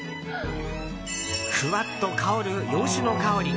ふわっと香る、洋酒の香り。